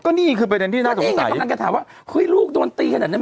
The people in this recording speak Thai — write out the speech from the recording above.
ก็นี่คือเป็นที่น่าสงสัยแล้วนี่ไงพวกนั้นก็ถามว่าเฮ้ยลูกโดนตีขนาดนั้น